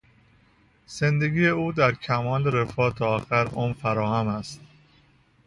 زندگی او در کمال رفاه تا آخر عمر فراهم است.